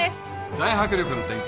大迫力の展開